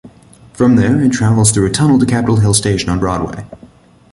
From there, it travels through a tunnel to Capitol Hill Station on Broadway.